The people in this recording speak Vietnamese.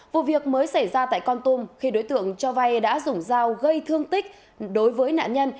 vụ việc mới xảy ra tại con tum khi đối tượng cho vay đã dùng dao gây thương tích đối với nạn nhân